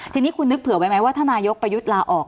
ทีนี้คุณนึกถือไว้มั้ยว่าถ้านายกบัยยุทธ์ลาออก